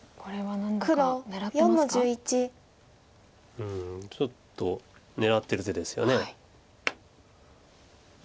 うんちょっと狙ってる手ですよね。